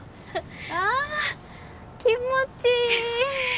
ああ気持ちいい！